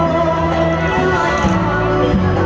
สวัสดี